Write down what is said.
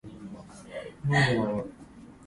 派手な表紙の雑誌